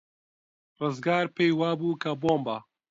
ڕزگار پێی وابوو کە بۆمبە.